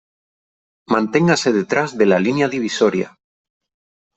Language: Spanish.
Manténgase detrás de la línea divisoria.